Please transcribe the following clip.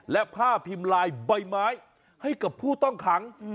และผ้าพิมพ์ลายใบไม้ให้กับผู้ต้องขัง